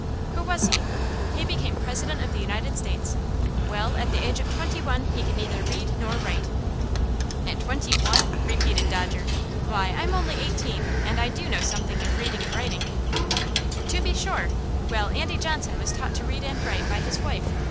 "Who was he?" "He became President of the United States. Well, at the age of twenty one he could neither read nor write." "At twenty one?" repeated Dodger. "Why, I'm only eighteen, and I do know something of readin' and writin'." "To be sure! Well, Andy Johnson was taught to read and write by his wife.